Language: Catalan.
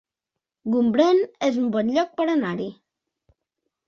Gombrèn es un bon lloc per anar-hi